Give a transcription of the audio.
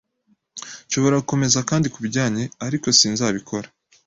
Nshobora gukomeza kandi kubijyanye, ariko sinzabikora.